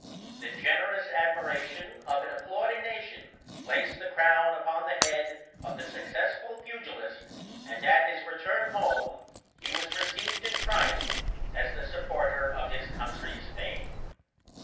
The generous admiration of an applauding nation placed the crown upon the head of the successful pugilist, and, at his return home, he was received in triumph as the supporter of his country's fame.